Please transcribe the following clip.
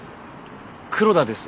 黒田です。